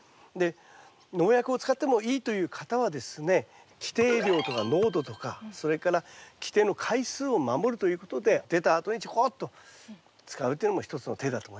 農薬を使ってもいいという方はですね規定量とか濃度とかそれから規定の回数を守るということで出たあとにちょこっと使うというのも一つの手だと思います。